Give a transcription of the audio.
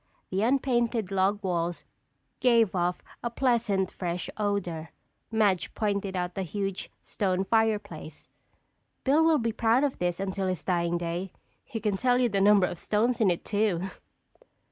The unpainted log walls gave off a pleasant, fresh odor. Madge pointed out the huge stone fireplace. "Bill will be proud of this until his dying day. He can tell you the number of stones in it too."